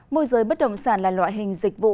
môi giới bất động sản là loại hình dịch vụ